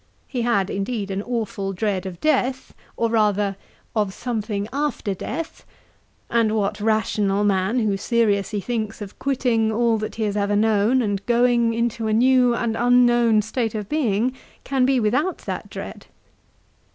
He had, indeed, an aweful dread of death, or rather, 'of something after death;' and what rational man, who seriously thinks of quitting all that he has ever known, and going into a new and unknown state of being, can be without that dread?